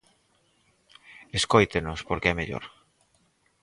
Escóitenos, porque é mellor.